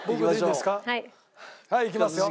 はいいきますよ。